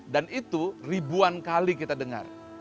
dan itu ribuan kali kita dengar